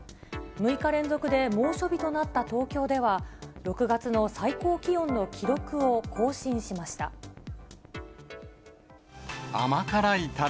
６日連続で猛暑日となった東京では、６月の最高気温の記録を更新しました。